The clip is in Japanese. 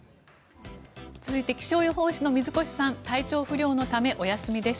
続いて気象予報士の水越さん体調不良のためお休みです。